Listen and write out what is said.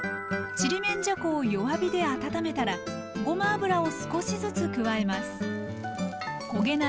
ちりめんじゃこを弱火で温めたらごま油を少しずつ加えます。